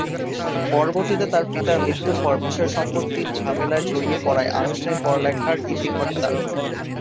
পরবর্তীতে তার পিতার মৃত্যুর পর বিষয় সম্পত্তির ঝামেলায় জড়িয়ে পরায় আনুষ্ঠানিক লেখাপড়ার ইতি ঘটে তার।